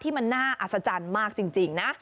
มันน่าอัศจรรย์มากจริงนะ